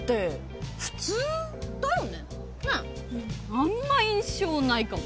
あんま印象ないかも。